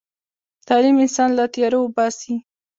تعلیم انسان له تیارو وباسي.